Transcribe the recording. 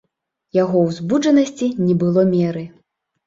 Яго ўзбуджанасці не было меры.